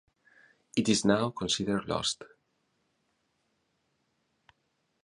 It is now considered lost.